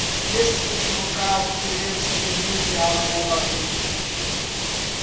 Neste último caso, teremos que reenviá-lo novamente.